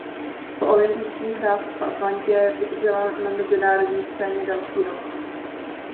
Po olympijských hrách v Atlantě vydržela na mezinárodní scéně další rok.